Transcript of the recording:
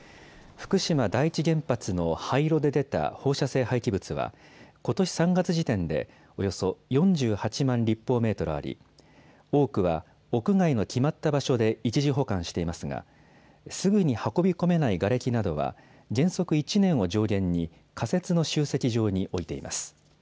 福島第一原発の廃炉で出た放射性廃棄物は、ことし３月時点で、およそ４８万立方メートルあり、多くは屋外の決まった場所で一時保管していますが、すぐに運び込めないがれきなどは、原則１年を上限に、仮設の集積場に置いています。